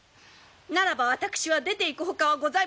ならば私は出ていくほかはございません。